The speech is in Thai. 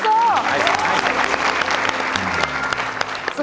สู้ใส่